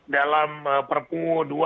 dalam perpu dua